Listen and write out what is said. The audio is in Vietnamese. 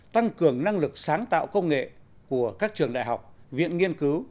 tăng cường năng lực sáng tạo công nghệ của các trường đại học viện nghiên cứu